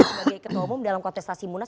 sebagai ketua umum dalam kontestasi munas